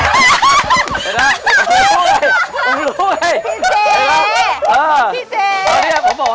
ค่ะนี่ประกันได้ช่วยครับ